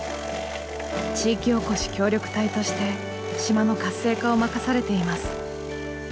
地域おこし協力隊として島の活性化を任されています。